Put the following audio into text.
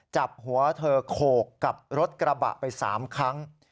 จับหัวเธอโขกกับรถกระบะไป๓ครั้ง